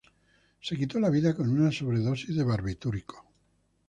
Se quitó la vida con una sobredosis de barbitúricos.